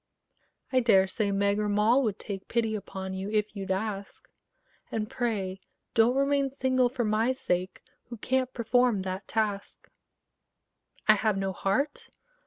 I dare say Meg or Moll would take Pity upon you, if you'd ask: And pray don't remain single for my sake Who can't perform that task. I have no heart?